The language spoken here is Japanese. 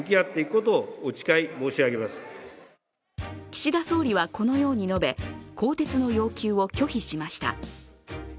岸田総理はこのように述べ更迭の要求を拒否しました。